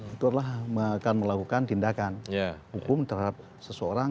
itu adalah akan melakukan tindakan hukum terhadap seseorang